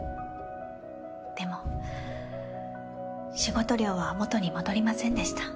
でも仕事量は元に戻りませんでした。